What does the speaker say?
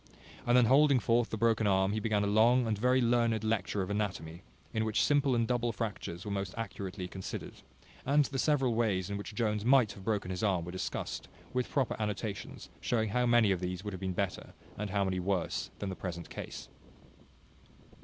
And then holding forth the broken arm, he began a long and very learned lecture of anatomy, in which simple and double fractures were most accurately considered; and the several ways in which Jones might have broken his arm were discussed, with proper annotations showing how many of these would have been better, and how many worse than the present case.